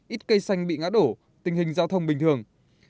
ít cây xanh bị ngã đổ tình hình giao thông bình thường